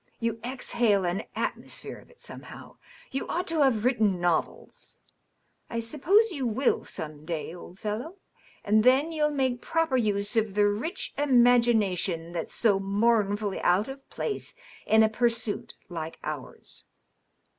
You exhale an atmosphere of it, somehow. You ought to have written novels. I suppose you will, some day, old fellow. And then you'll make proper use of the rich imagination that's so mournfully out of place in a pursuit like ours.